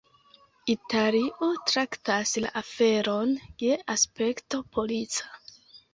Italio traktas la aferon je aspekto polica.